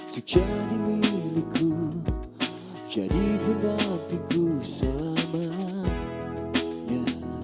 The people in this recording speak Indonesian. tuk jadi milikku jadi pendapiku selamanya